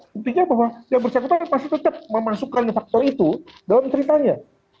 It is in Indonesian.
buktinya bahwa yang bersangkutan pasti tetap memasukkan faktor itu dalam ceritanya